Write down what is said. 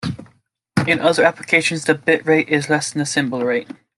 In other applications, the bit rate is less than the symbol rate.